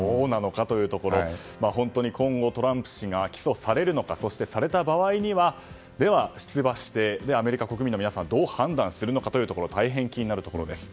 本当に今後、トランプ氏が起訴されるのかそして、された場合には出馬してアメリカ国民の皆さんどう判断するのかというところ大変気になるところです。